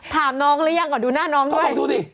ถามน้องหรือยังก่อนดูหน้าน้องด้วย